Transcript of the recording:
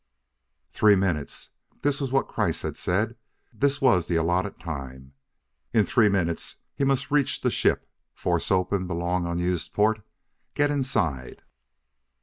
"Three minutes!" This was what Kreiss had said; this was the allotted time. In three minutes he must reach the ship, force open the long unused port, get inside